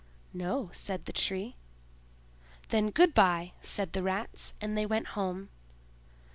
"No," said the Tree. "Then good by," said the Rats and they went home.